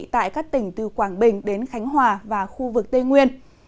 tại các tỉnh từ quảng bình đến khánh hòa và khu vực tây nguyên